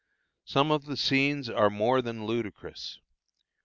Some of the scenes are more than ludicrous.